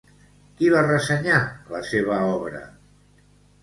Qui va ressenyar la seva obra?